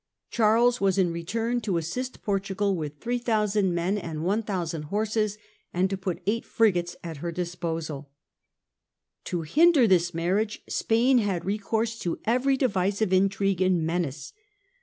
Charles was in return to assist Portugal with 3,000 men and 1,000 horses, and to put eight frigates at her disposal. To hinder this marriage Spain had recourse to every device of intrigue and menace.